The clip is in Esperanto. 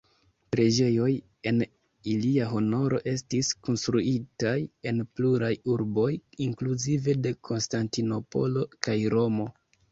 Preĝejoj en ilia honoro estis konstruitaj en pluraj urboj, inkluzive de Konstantinopolo kaj Romo.